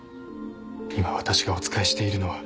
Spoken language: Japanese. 今わたしがお仕えしているのは。